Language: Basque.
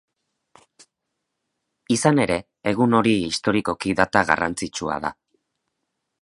Izan ere, egun hori historikoki data garrantzitsua da.